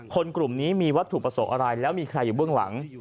กลุ่มนี้มีวัตถุประสงค์อะไรแล้วมีใครอยู่เบื้องหลัง